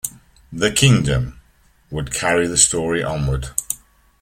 "The Kingdom" would carry the story onward.